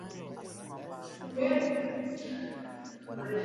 kama lugha ya taifa kutokana na lahaja ya Kimalay Nchini kote